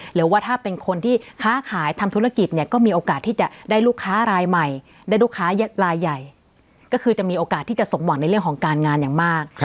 หรือว่าถ้าเป็นคนที่ค้าขายทำธุรกิจเนี่ยก็มีโอกาสที่จะได้ลูกค้ารายใหม่ได้ลูกค้ารายใหญ่ก็คือจะมีโอกาสที่จะสมหวังในเรื่องของการงานอย่างมาก